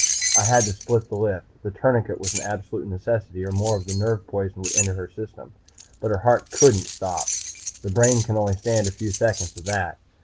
I had to split the lift. The tourniquet was an absolute necessity, or more of the nerve poison would enter her system. But her heart couldn't stop. The brain can only stand a few seconds of that.